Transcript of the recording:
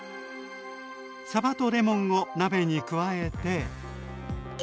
さばとレモンを鍋に加えて。